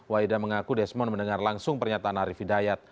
waida mengaku desmond mendengar langsung pernyataan arief hidayat